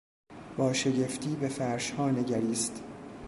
با شگفتی به فرشها نگریست.